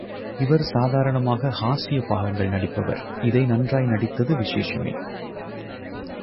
இவர் சாதாரணமாக ஹாஸ்ய பாகங்கள் நடிப்பவர், இதை நன்றாய் நடித்தது விசேஷமே.